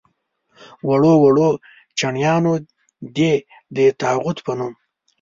وړو وړو چڼیانو دې د طاغوت په نوم.